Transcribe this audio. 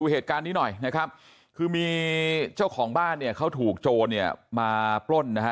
เหตุการณ์นี้หน่อยนะครับคือมีเจ้าของบ้านเนี่ยเขาถูกโจรเนี่ยมาปล้นนะฮะ